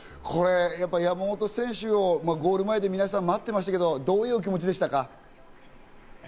山本選手をゴール前で皆さん待ってましたけど、どういうお気持ちでしたか？